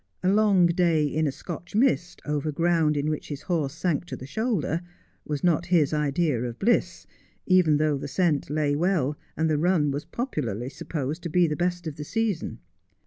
A long day in a Scotch mist, over ground in which his horse sank to the shoulder, was not his idea of bliss, even though the scent lay well, and the run was popularly supposed to be the best of the season.